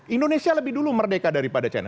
indonesia lebih dulu merdeka daripada china